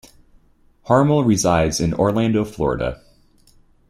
Harmel resides in Orlando, Florida.